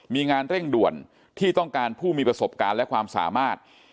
มีงานเร่งด่วนที่ต้องการผู้มีประสบการณ์และความสามารถ